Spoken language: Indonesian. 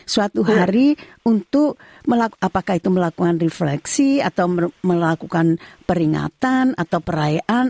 suatu hari untuk apakah itu melakukan refleksi atau melakukan peringatan atau perayaan